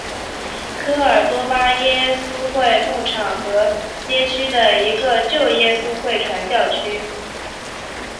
科尔多巴耶稣会牧场和街区的一个旧耶稣会传教区。